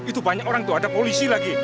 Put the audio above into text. itu banyak orang tuh ada polisi lagi